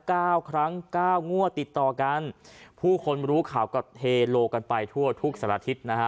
เก้าครั้งเก้างวดติดต่อกันผู้คนรู้ข่าวก็เทโลกันไปทั่วทุกสัตว์อาทิตย์นะฮะ